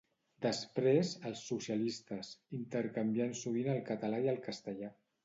Després, els socialistes, intercanviant sovint el català i el castellà.